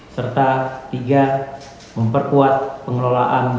serta tiga memperkuat pengelolaan likuiditas rupiah